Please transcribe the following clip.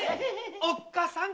おっかさん。